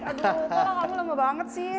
aduh kok kamu lama banget sih